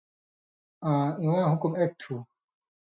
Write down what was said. آں اِیواں حکم ایک تُھو۔